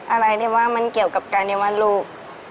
อะไรที่ว่ามันเกี่ยวกับการที่ว่าลูก